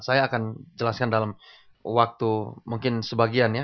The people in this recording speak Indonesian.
saya akan jelaskan dalam waktu mungkin sebagian ya